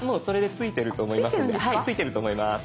ついてると思います。